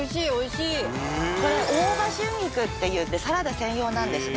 大葉春菊っていってサラダ専用なんですね。